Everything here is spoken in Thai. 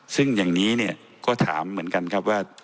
ซึ่งอย่างนี้เนี่ยก็ถามเหมือนกันครับว่า